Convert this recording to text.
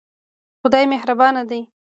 خدای مهربان دی